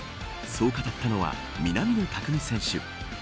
そう語ったのは南野拓実選手。